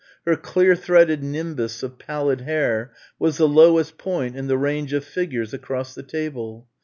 Her clear threaded nimbus of pallid hair was the lowest point in the range of figures across the table.